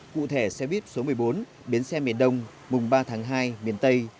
cụ thể xe buýt số một mươi bốn bến xe miền đông mùng ba tháng hai miền tây